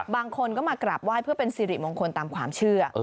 บางคนก็มากราบไหว้เพื่อเป็นสิริมงคลตามความเชื่อ